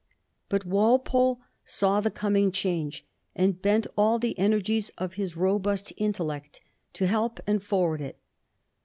But Walpole saw the coming change, and bent all the energies of his robust intellect to help and forward it.